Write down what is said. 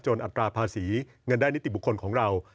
อัตราภาษีเงินได้นิติบุคคลของเรา